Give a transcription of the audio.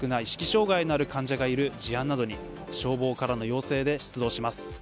障害のある患者がいる事案などに消防からの要請で出動します。